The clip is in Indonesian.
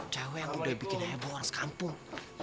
cewek yang udah bikin hebohan sekampung